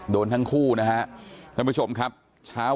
โดนทั้งคู่นะฮะท่านผู้ชมครับช้าวันนี้ครับ